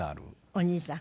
お兄さん。